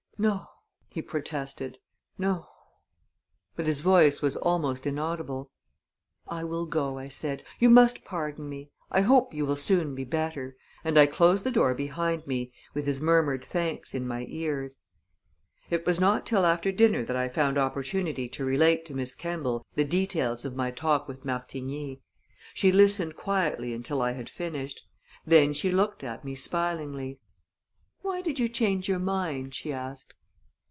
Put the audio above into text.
"No," he protested; "no"; but his voice was almost inaudible. "I will go," I said. "You must pardon me. I hope you will soon be better," and I closed the door behind me with his murmured thanks in my ears. It was not till after dinner that I found opportunity to relate to Miss Kemball the details of my talk with Martigny. She listened quietly until I had finished; then she looked at me smilingly. "Why did you change your mind?" she asked.